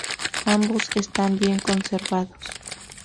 Ambos están bien conservados.